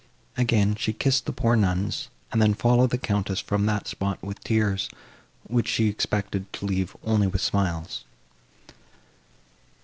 Again, she kissed the poor nuns and then followed the Countess from that spot with tears, which she expected to leave only with smiles.